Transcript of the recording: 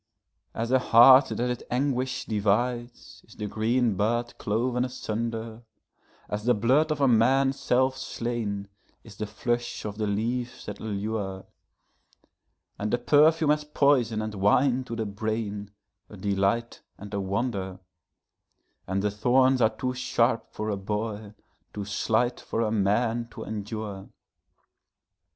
As a heart that its anguish divides is the green bud cloven asunder; As the blood of a man self slain is the flush of the leaves that allure; And the perfume as poison and wine to the brain, a delight and a wonder; And the thorns are too sharp for a boy, too slight for a man, to endure.